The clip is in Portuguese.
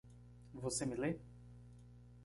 Você me lê?